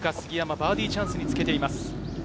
バーディーチャンスにつけています。